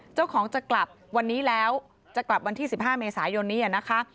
เจ้าของจะกลับวันนี้แล้วจะกลับวันที่๑๕เมษายนนี้นะคะ